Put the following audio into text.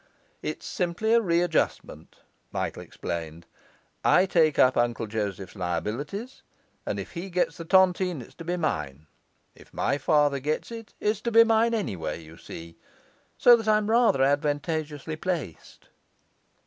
'It's simply a readjustment,' Michael explained. 'I take up Uncle Joseph's liabilities; and if he gets the tontine, it's to be mine; if my father gets it, it's mine anyway, you see. So that I'm rather advantageously placed.